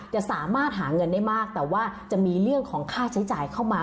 จะสามารถหาเงินได้มากแต่ว่าจะมีเรื่องของค่าใช้จ่ายเข้ามา